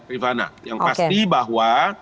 rifana yang pasti bahwa